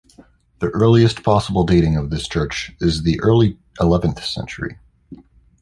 The earliest possible dating of this church is the early eleventh century.